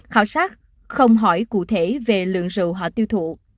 khảo sát không hỏi cụ thể về lượng rượu họ tiêu thụ